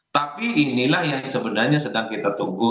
tapi inilah yang sebenarnya sedang kita tunggu